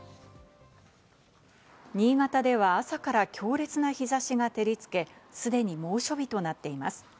新潟では朝から強烈な日差しが照りつけ、既に猛暑日となっています。